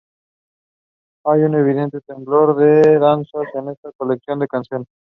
Hay un evidente temblor de danzas en esta colección de canciones.